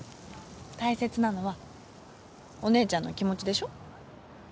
大切なのはお姉ちゃんの気持ちでしょ？